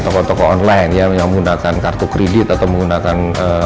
tokoh tokoh online yang menggunakan kartu kredit atau menggunakan